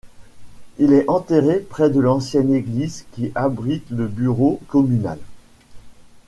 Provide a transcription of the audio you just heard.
Il est enterré près de l'ancienne église qui abrite le Bureau Communal.